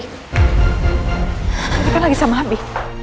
kau kan lagi sama abi